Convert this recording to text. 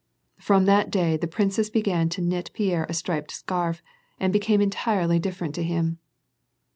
From that day the princess began to knit Pierre a striped scar^ and became entirely different to him.